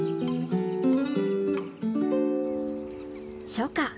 初夏。